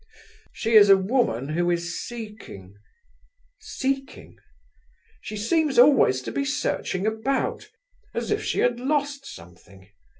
"She is a woman who is seeking..." "Seeking?" "She seems always to be searching about, as if she had lost something.